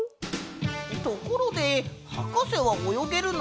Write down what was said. ところではかせはおよげるの？